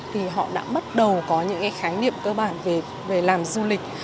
thì họ đã bắt đầu có những cái khái niệm cơ bản về làm du lịch